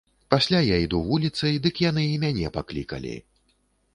Пасля я іду вуліцай, дык яны і мяне паклікалі.